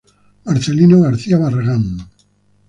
Marcelino García Barragán.